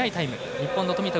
日本の富田